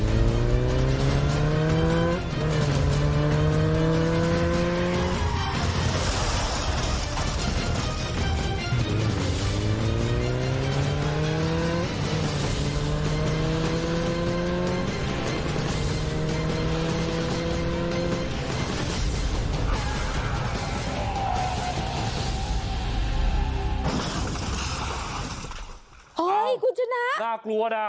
โอ้โหคุณชนะน่ากลัวนะ